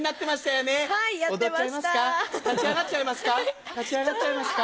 立ち上がっちゃいますか？